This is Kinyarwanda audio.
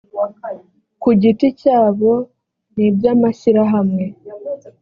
ku giti cyabo n iby amashyirahamwe